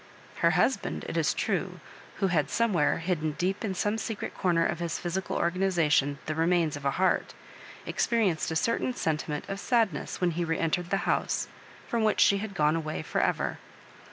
Her husband, it is true, who had, somewhere, hidden deep in some secret comer of his phy sical organization the remains of a heart, expe rienced a certain sentiment of sadness when he re entered the house firom which she had gone away for ever.